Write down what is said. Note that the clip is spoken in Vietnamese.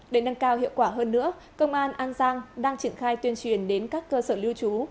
để nâng cao hiệu quả hơn nữa công an an giang đang triển khai tuyên truyền đến các cơ sở lưu trú